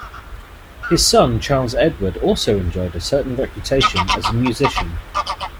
His son Charles Edward also enjoyed a certain reputation as a musician.